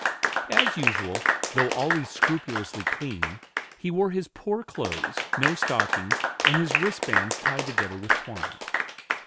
As usual, though always scrupulously clean, he wore his poor clothes, no stockings, and his wristbands tied together with twine.